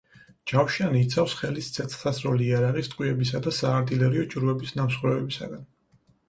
ჯავშანი იცავს ხელის ცეცხლსასროლი იარაღის ტყვიებისა და საარტილერიო ჭურვების ნამსხვრევებისგან.